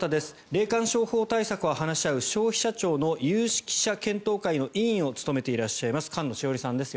霊感商法対策を話し合う消費者庁の有識者検討会の委員を務めていらっしゃいます菅野志桜里さんです。